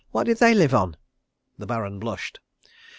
"What did they live on?" The Baron blushed.